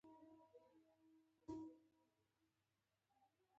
پر پوزې مچ نه پرېږدي